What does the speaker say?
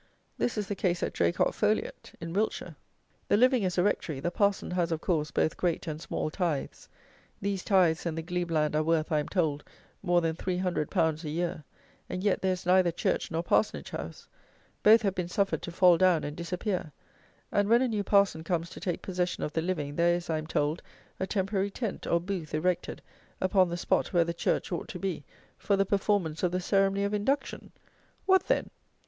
This is the case at Draycot Foliot, in Wiltshire. The living is a Rectory; the Parson has, of course, both great and small tithes; these tithes and the glebe land are worth, I am told, more than three hundred pounds a year; and yet there is neither church nor parsonage house; both have been suffered to fall down and disappear; and, when a new Parson comes to take possession of the living, there is, I am told, a temporary tent, or booth, erected, upon the spot where the church ought to be, for the performance of the ceremony of induction! What, then!